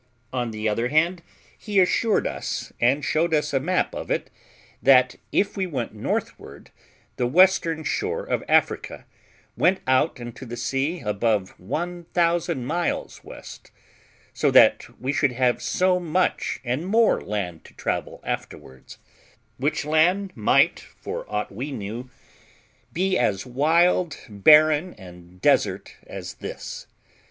On the other hand, he assured us, and showed us a map of it, that, if we went northward, the western shore of Africa went out into the sea above 1000 miles west, so that we should have so much and more land to travel afterwards; which land might, for aught we knew, be as wild, barren, and desert as this.